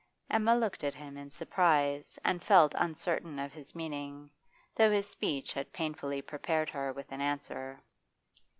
Emma looked at him in surprise and felt uncertain of his meaning, though his speech had painfully prepared her with an answer.